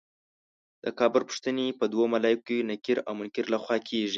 د قبر پوښتنې به د دوو ملایکو نکیر او منکر له خوا کېږي.